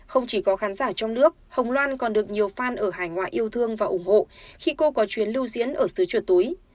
không chỉ có khán giả trong nước hồng loan còn được nhiều phan ở hải ngoại yêu thương và ủng hộ khi cô có chuyến lưu diễn ở xứ chuột túi